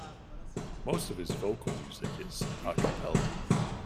Most of his vocal music is "a cappella".